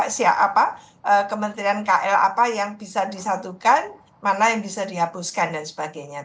nah ini jadi kira kira itu kementerian kl apa yang bisa disatukan mana yang bisa dihapuskan dan sebagainya